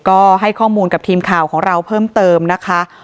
ก็ให้ข้อมูลกับทีมข่าวของเราเพิ่มเติมนะคะ